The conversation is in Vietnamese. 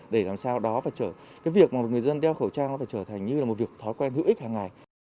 để làm sao đó và trở cái việc mà người dân đeo khẩu trang nó phải trở thành như là một việc thói quen hữu ích hàng ngày